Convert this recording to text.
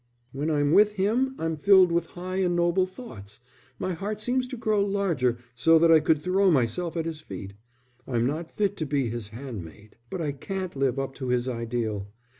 "When I'm with him I'm filled with high and noble thoughts. My heart seems to grow larger so that I could throw myself at his feet. I'm not fit to be his handmaid. But I can't live up to his ideal.